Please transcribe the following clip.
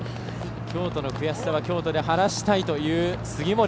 京都の悔しさは京都で晴らしたいという杉森。